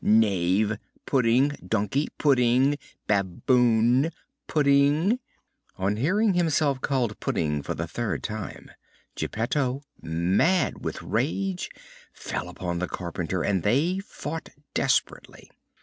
"Knave!" "Pudding!" "Donkey!" "Pudding!" "Baboon!" "Pudding!" On hearing himself called Pudding for the third time Geppetto, mad with rage, fell upon the carpenter and they fought desperately.